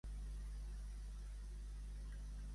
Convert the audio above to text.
Qui era Emília Hazelip?